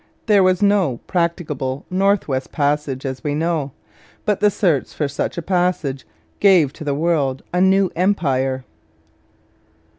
There was no practicable North West Passage, as we know; but the search for such a passage gave to the world a new empire.